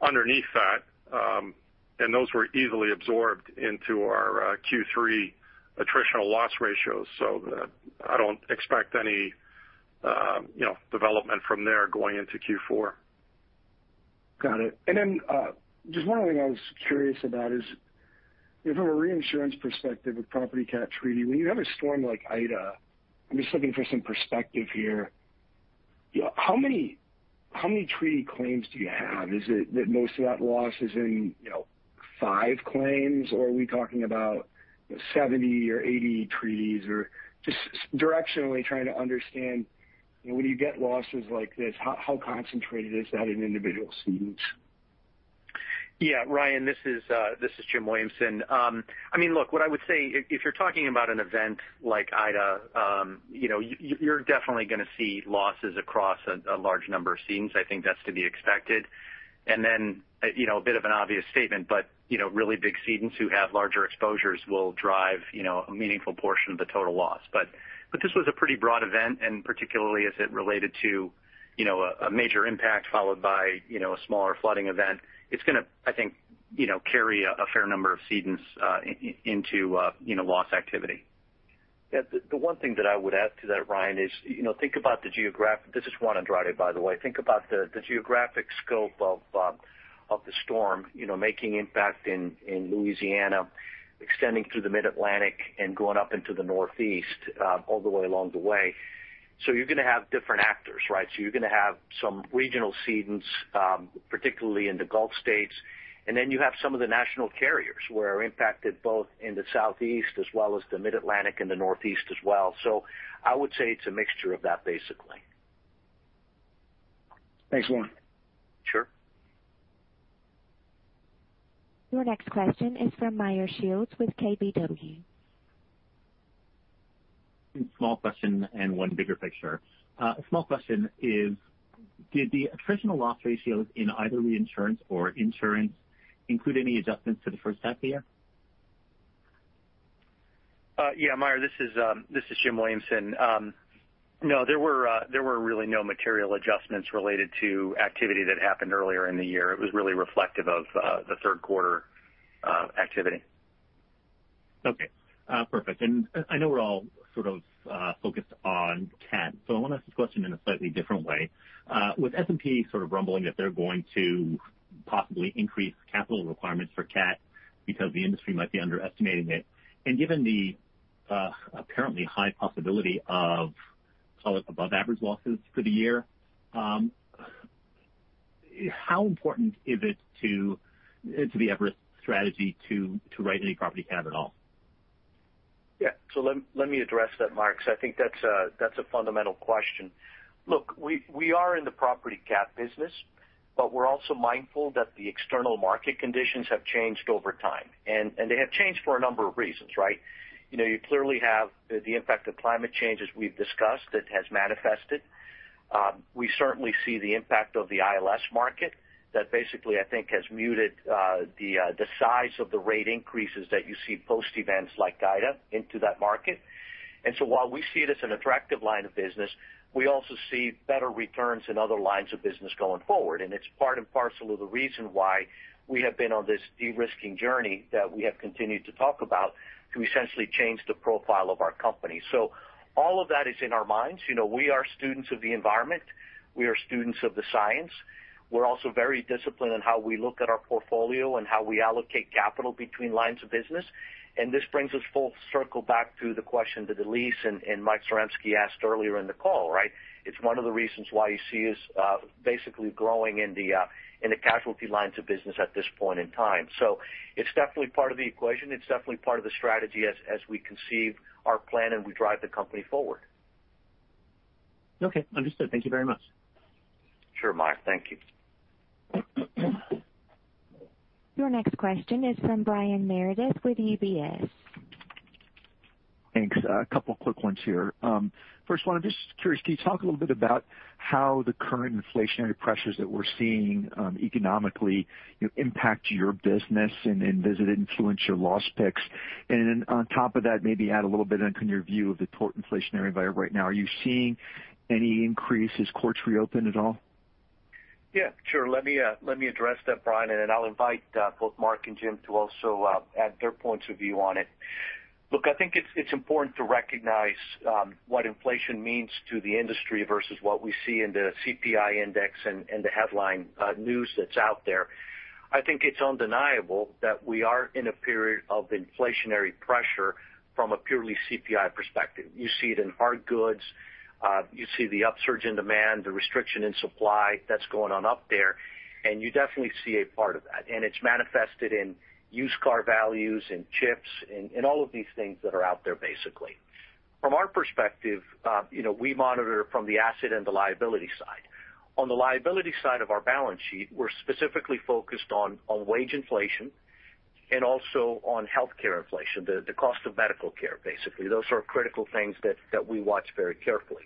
underneath that. Those were easily absorbed into our Q3 attritional loss ratios. I don't expect any, you know, development from there going into Q4. Got it. Just one other thing I was curious about is, you know, from a reinsurance perspective with property cat treaty, when you have a storm like Ida, I'm just looking for some perspective here. You know, how many treaty claims do you have? Is it that most of that loss is in, you know, five claims, or are we talking about 70 or 80 treaties or just directionally trying to understand, you know, when you get losses like this, how concentrated is that in individual cedents? Yeah, Ryan, this is Jim Williamson. I mean, look, what I would say if you're talking about an event like Ida, you know, you're definitely gonna see losses across a large number of cedents. I think that's to be expected. Then, you know, a bit of an obvious statement, but, you know, really big cedents who have larger exposures will drive, you know, a meaningful portion of the total loss. But this was a pretty broad event, and particularly as it related to, you know, a major impact followed by, you know, a smaller flooding event. It's gonna, I think, you know, carry a fair number of cedents into, you know, loss activity. Yeah. The one thing that I would add to that, Ryan, is, you know, think about the geographic scope of the storm, you know, making impact in Louisiana, extending through the Mid-Atlantic and going up into the Northeast, all the way along the way. This is Juan Andrade, by the way. So you're gonna have different actors, right? So you're gonna have some regional cedents, particularly in the Gulf States, and then you have some of the national carriers who are impacted both in the Southeast as well as the Mid-Atlantic and the Northeast as well. So I would say it's a mixture of that, basically. Thanks, Juan. Sure. Your next question is from Meyer Shields with KBW. Small question and one bigger picture. Small question is, did the attritional loss ratios in either reinsurance or insurance include any adjustments to the first half of the year? Meyer, this is Jim Williamson. No, there were really no material adjustments related to activity that happened earlier in the year. It was really reflective of the third quarter activity. Okay. Perfect. I know we're all sort of focused on cat, so I wanna ask this question in a slightly different way. With S&P sort of rumbling that they're going to possibly increase capital requirements for cat because the industry might be underestimating it, and given the apparently high possibility of, call it above average losses for the year, how important is it to the Everest strategy to write any property cat at all? Let me address that, Meyer, because I think that's a fundamental question. Look, we are in the property cat business. We're also mindful that the external market conditions have changed over time, and they have changed for a number of reasons, right? You know, you clearly have the impact of climate change, as we've discussed, that has manifested. We certainly see the impact of the ILS market that basically, I think, has muted the size of the rate increases that you see post-events like Ida into that market. While we see it as an attractive line of business, we also see better returns in other lines of business going forward. It's part and parcel of the reason why we have been on this de-risking journey that we have continued to talk about to essentially change the profile of our company. All of that is in our minds. You know, we are students of the environment. We are students of the science. We're also very disciplined in how we look at our portfolio and how we allocate capital between lines of business. This brings us full circle back to the question that Elyse and Mike Zaremski asked earlier in the call, right? It's one of the reasons why you see us basically growing in the casualty lines of business at this point in time. It's definitely part of the equation. It's definitely part of the strategy as we conceive our plan and we drive the company forward. Okay. Understood. Thank you very much. Sure, Meyer. Thank you. Your next question is from Brian Meredith with UBS. Thanks. A couple quick ones here. First one, I'm just curious, can you talk a little bit about how the current inflationary pressures that we're seeing, economically, you know, impact your business and does it influence your loss picks? On top of that, maybe add a little bit on your view of the total inflationary environment right now. Are you seeing any increase as courts reopen at all? Yeah, sure. Let me address that, Brian, and then I'll invite both Mark and Jim to also add their points of view on it. Look, I think it's important to recognize what inflation means to the industry versus what we see in the CPI index and the headline news that's out there. I think it's undeniable that we are in a period of inflationary pressure from a purely CPI perspective. You see it in hard goods, you see the upsurge in demand, the restriction in supply that's going on up there, and you definitely see a part of that. It's manifested in used car values, in chips, in all of these things that are out there, basically. From our perspective, you know, we monitor from the asset and the liability side. On the liability side of our balance sheet, we're specifically focused on wage inflation and also on healthcare inflation, the cost of medical care, basically. Those are critical things that we watch very carefully.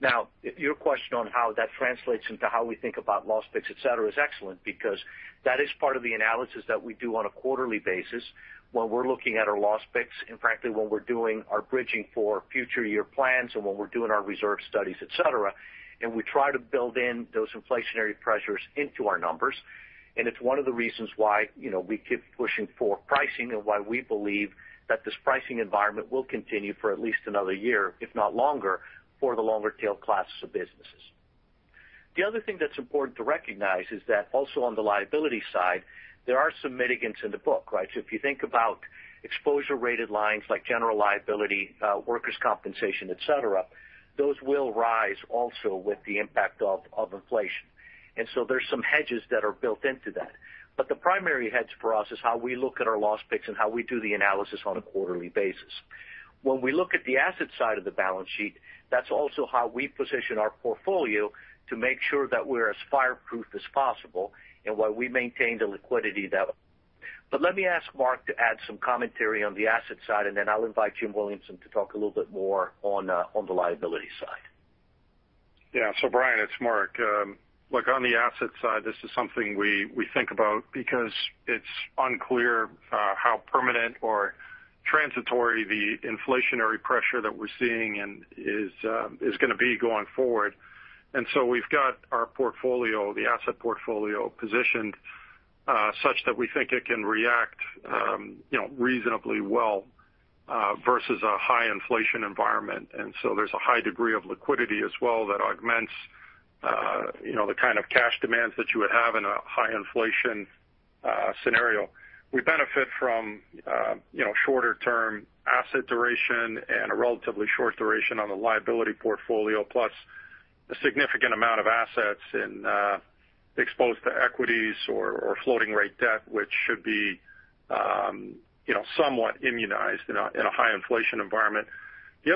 Now, your question on how that translates into how we think about loss picks, etc, is excellent because that is part of the analysis that we do on a quarterly basis when we're looking at our loss picks, and frankly, when we're doing our bridging for future year plans and when we're doing our reserve studies, etc, and we try to build in those inflationary pressures into our numbers. It's one of the reasons why, you know, we keep pushing for pricing and why we believe that this pricing environment will continue for at least another year, if not longer, for the longer tail classes of businesses. The other thing that's important to recognize is that also on the liability side, there are some mitigants in the book, right? If you think about exposure rated lines like general liability, workers' compensation, etc, those will rise also with the impact of inflation. There's some hedges that are built into that. The primary hedge for us is how we look at our loss picks and how we do the analysis on a quarterly basis. When we look at the asset side of the balance sheet, that's also how we position our portfolio to make sure that we're as fireproof as possible and why we maintain the liquidity that we do. Let me ask Mark to add some commentary on the asset side, and then I'll invite Jim Williamson to talk a little bit more on the liability side. Yeah. Brian, it's Mark. Look, on the asset side, this is something we think about because it's unclear how permanent or transitory the inflationary pressure that we're seeing and is gonna be going forward. We've got our portfolio, the asset portfolio positioned such that we think it can react you know reasonably well versus a high inflation environment. There's a high degree of liquidity as well that augments you know the kind of cash demands that you would have in a high inflation scenario. We benefit from you know shorter term asset duration and a relatively short duration on the liability portfolio, plus a significant amount of assets exposed to equities or floating rate debt, which should be you know somewhat immunized in a high inflation environment. The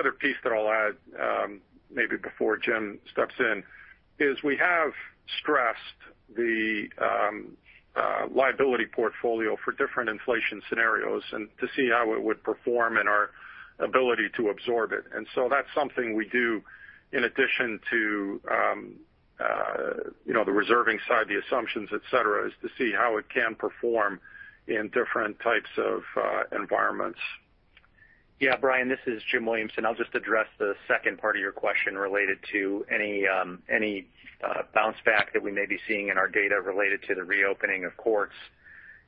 other piece that I'll add, maybe before Jim steps in, is we have stressed the liability portfolio for different inflation scenarios and to see how it would perform and our ability to absorb it. That's something we do in addition to, you know, the reserving side, the assumptions, etc, is to see how it can perform in different types of environments. Yeah, Brian, this is Jim Williamson. I'll just address the second part of your question related to any bounce back that we may be seeing in our data related to the reopening of courts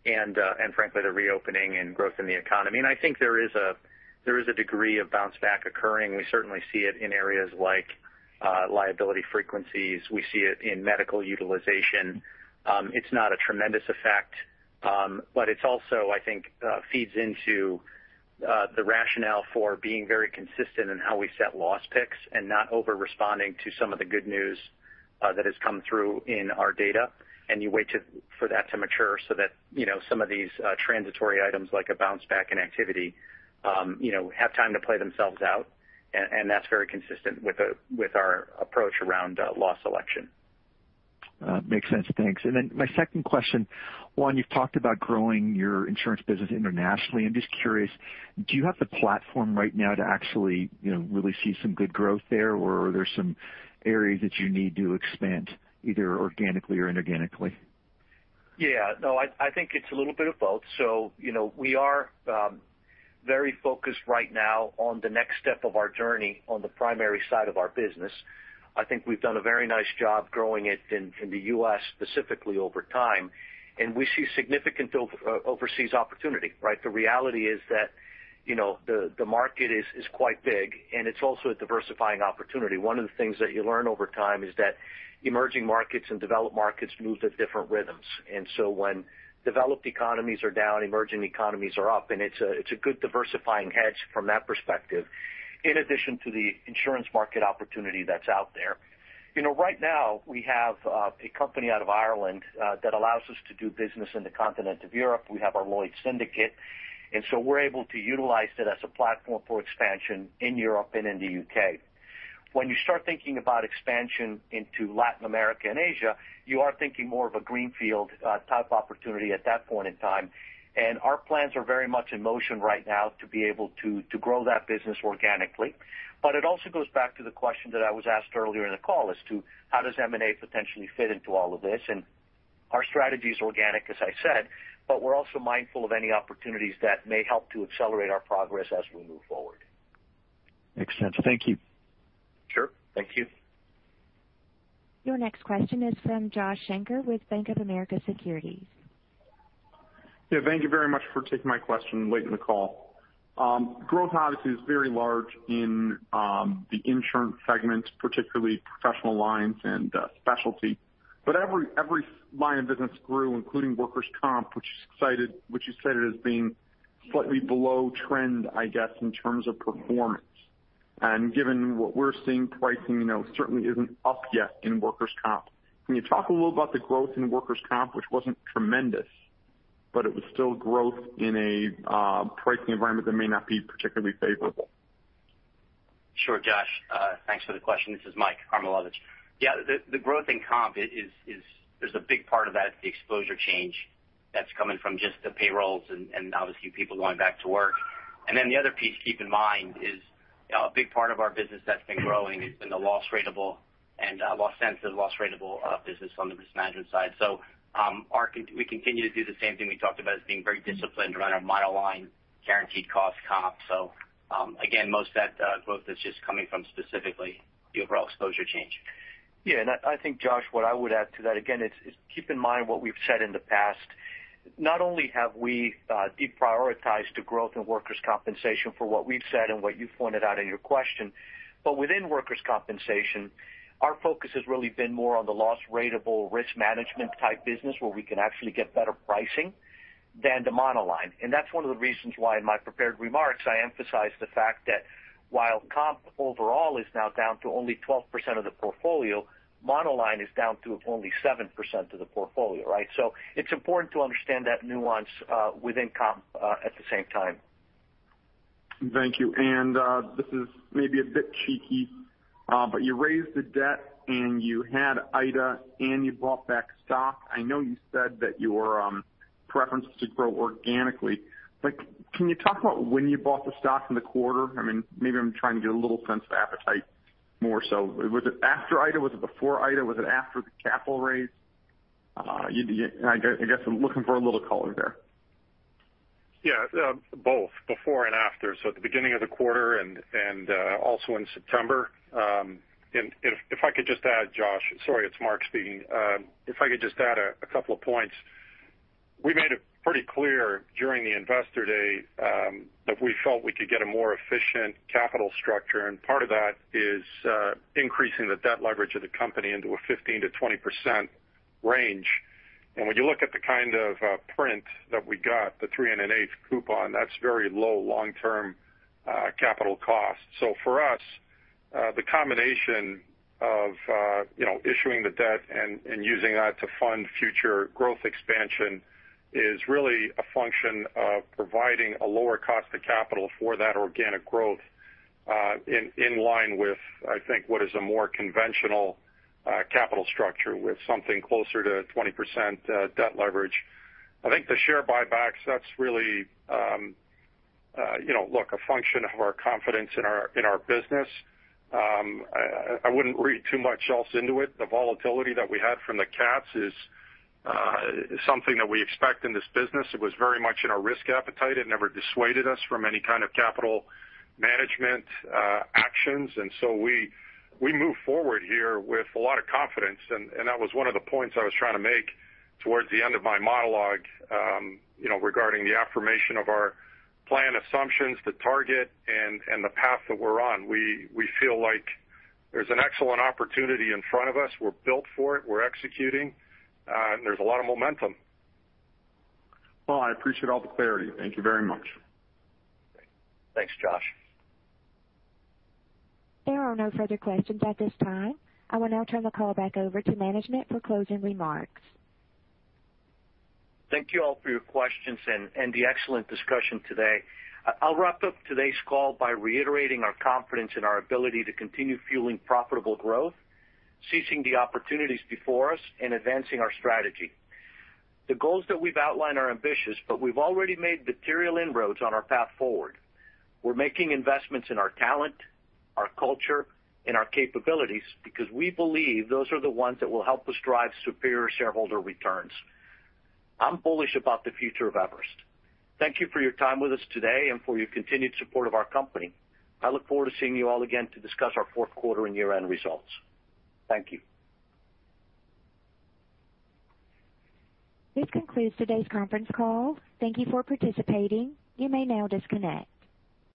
and frankly, the reopening and growth in the economy. I think there is a degree of bounce back occurring. We certainly see it in areas like liability frequencies. We see it in medical utilization. It's not a tremendous effect, but it's also, I think, feeds into the rationale for being very consistent in how we set loss picks and not over-responding to some of the good news that has come through in our data. You wait for that to mature so that, you know, some of these transitory items like a bounce back in activity, you know, have time to play themselves out. That's very consistent with our approach around loss selection. Makes sense. Thanks. My second question, one, you've talked about growing your insurance business internationally. I'm just curious, do you have the platform right now to actually, you know, really see some good growth there, or are there some areas that you need to expand either organically or inorganically? Yeah. No, I think it's a little bit of both. You know, we are very focused right now on the next step of our journey on the primary side of our business. I think we've done a very nice job growing it in the U.S. specifically over time, and we see significant overseas opportunity, right? The reality is that, you know, the market is quite big, and it's also a diversifying opportunity. One of the things that you learn over time is that emerging markets and developed markets move at different rhythms. When developed economies are down, emerging economies are up, and it's a good diversifying hedge from that perspective, in addition to the insurance market opportunity that's out there. You know, right now we have a company out of Ireland that allows us to do business in the continent of Europe. We have our Lloyd's Syndicate, and so we're able to utilize it as a platform for expansion in Europe and in the U.K. When you start thinking about expansion into Latin America and Asia, you are thinking more of a greenfield type opportunity at that point in time. Our plans are very much in motion right now to be able to grow that business organically. It also goes back to the question that I was asked earlier in the call as to how does M&A potentially fit into all of this. Our strategy is organic, as I said, but we're also mindful of any opportunities that may help to accelerate our progress as we move forward. Makes sense. Thank you. Sure. Thank you. Your next question is from Joshua Shanker with Bank of America Securities. Yeah, thank you very much for taking my question late in the call. Growth obviously is very large in the insurance segment, particularly professional lines and specialty. Every line of business grew, including workers' comp, which you cited as being slightly below trend, I guess, in terms of performance. Given what we're seeing, pricing, you know, certainly isn't up yet in workers' comp. Can you talk a little about the growth in workers' comp, which wasn't tremendous, but it was still growth in a pricing environment that may not be particularly favorable? Sure, Josh. Thanks for the question. This is Mike Karmilowicz. Yeah, the growth in comp is. There's a big part of that, the exposure change that's coming from just the payrolls and obviously people going back to work. The other piece to keep in mind is a big part of our business that's been growing has been the loss ratable and loss sensitive business on the risk management side. We continue to do the same thing we talked about as being very disciplined around our monoline guaranteed cost comp. Again, most of that growth is just coming from specifically the overall exposure change. Yeah. I think, Josh, what I would add to that, again, is keep in mind what we've said in the past. Not only have we deprioritized the growth in workers' compensation for what we've said and what you've pointed out in your question, but within workers' compensation, our focus has really been more on the loss ratable risk management type business where we can actually get better pricing than the monoline. That's one of the reasons why in my prepared remarks, I emphasized the fact that while comp overall is now down to only 12% of the portfolio, monoline is down to only 7% of the portfolio, right? It's important to understand that nuance within comp at the same time. Thank you. This is maybe a bit cheeky, but you raised the debt and you had Ida and you bought back stock. I know you said that your preference is to grow organically. Can you talk about when you bought the stock in the quarter? I mean, maybe I'm trying to get a little sense of appetite more so. Was it after Ida? Was it before Ida? Was it after the capital raise? I guess I'm looking for a little color there. Yeah, both before and after. At the beginning of the quarter and also in September. If I could just add, Josh. Sorry, it's Mark speaking. If I could just add a couple of points. We made it pretty clear during the Investor Day that we felt we could get a more efficient capital structure, and part of that is increasing the debt leverage of the company into a 15%-20% range. When you look at the kind of print that we got, the 3 1/8 coupon, that's very low long-term capital cost. For us, the combination of, you know, issuing the debt and using that to fund future growth expansion is really a function of providing a lower cost of capital for that organic growth, in line with, I think, what is a more conventional capital structure with something closer to 20% debt leverage. I think the share buybacks, that's really, you know, look, a function of our confidence in our business. I wouldn't read too much else into it. The volatility that we had from the cats is something that we expect in this business. It was very much in our risk appetite. It never dissuaded us from any kind of capital management actions. We move forward here with a lot of confidence, and that was one of the points I was trying to make towards the end of my monologue, you know, regarding the affirmation of our plan assumptions, the target and the path that we're on. We feel like there's an excellent opportunity in front of us. We're built for it, we're executing, and there's a lot of momentum. Well, I appreciate all the clarity. Thank you very much. Great. Thanks, Josh. There are no further questions at this time. I will now turn the call back over to management for closing remarks. Thank you all for your questions and the excellent discussion today. I'll wrap up today's call by reiterating our confidence in our ability to continue fueling profitable growth, seizing the opportunities before us, and advancing our strategy. The goals that we've outlined are ambitious, but we've already made material inroads on our path forward. We're making investments in our talent, our culture, and our capabilities because we believe those are the ones that will help us drive superior shareholder returns. I'm bullish about the future of Everest. Thank you for your time with us today and for your continued support of our company. I look forward to seeing you all again to discuss our fourth quarter and year-end results. Thank you. This concludes today's conference call. Thank you for participating. You may now disconnect.